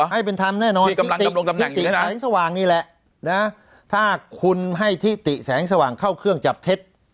ให้เป็นธรรมแน่นอนถ้าคุณให้ที่ติแสงสว่างเข้าเครื่องจับเท็จ